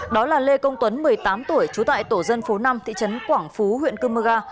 đó là lê công tuấn một mươi tám tuổi trú tại tổ dân phố năm thị trấn quảng phú huyện cơ mơ ga